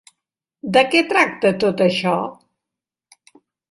De què tracta tot això?